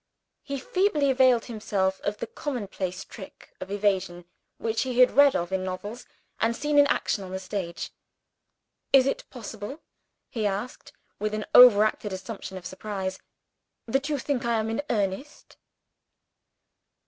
He feebly availed himself of the commonplace trick of evasion which he had read of in novels, and seen in action on the stage. "Is it possible," he asked, with an overacted assumption of surprise, "that you think I am in earnest?"